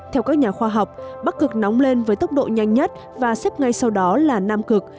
theo các nhà khoa học bắc cực nóng lên với tốc độ nhanh nhất và xếp ngay sau đó là nam cực